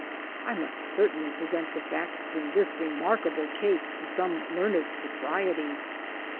I must certainly present the facts in this remarkable case to some learned society.